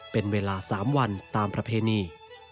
เป็นเวลา๓วันตามประเพณี